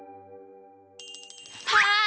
はい！